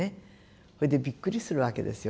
それでびっくりするわけですよ。